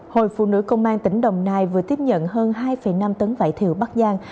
hội phụ nữ công an tỉnh đồng nai vừa tiếp nhận hơn hai năm tấn vải thiều bắc giang